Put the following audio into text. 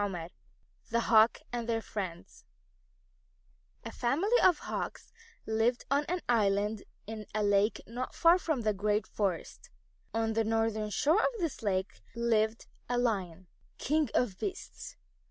XIII THE HAWKS AND THEIR FRIENDS A family of Hawks lived on an island in a lake not far from the great forest. On the northern shore of this lake lived a Lion, King of Beasts.